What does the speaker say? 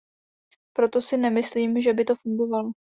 Proto si nemyslím, že by to fungovalo.